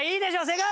正解！